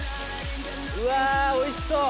うわおいしそう！